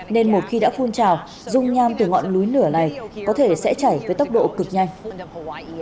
nên một khi đã phun trào dùng nham từ ngọn núi lửa này có thể sẽ chảy với tốc độ cực nhanh